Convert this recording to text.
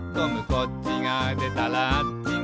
「こっちがでたらあっちが」